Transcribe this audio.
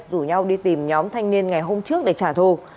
rủ nhau đi tìm nhóm thanh niên ngày hôm trước để trả thù